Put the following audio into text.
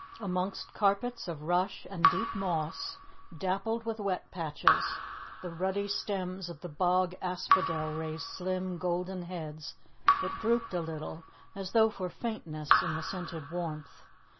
Amongst carpets of rush and deep moss, dappled with wet patches, the ruddy stems of the bog asphodel raised slim, golden heads that drooped a little, as though for faintness, in the scented warmth.